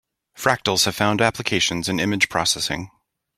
Fractals have found applications in image processing.